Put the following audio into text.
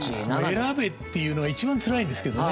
選べっていうのが一番つらいんですけどね。